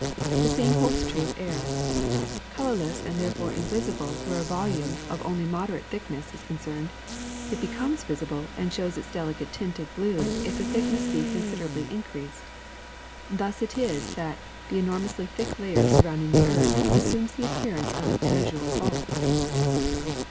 The same holds true of air: colorless and therefore invisible where a volume of only moderate thickness is con cerned, it becomes visible and shows its delicate tint of blue if the thickness be considerably increased. Thus it is that the enormously thick layer surround ing the earth assumes the appearance of an azure vault.